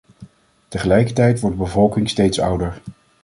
Tegelijkertijd wordt de bevolking steeds ouder.